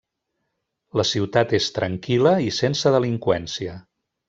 La ciutat és tranquil·la i sense delinqüència.